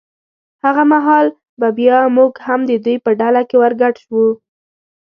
هغه مهال به بیا موږ هم د دوی په ډله کې ور ګډ شو.